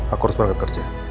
aku harus balik ke kerja